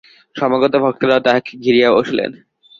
সমাগত ভক্তরাও তাঁহাকে ঘিরিয়া বসিলেন।